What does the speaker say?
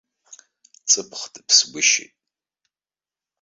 Ҵыԥх дыԥсгәышьеит.